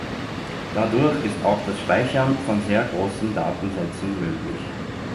Dadurch ist auch das Speichern von sehr großen Datensätzen möglich.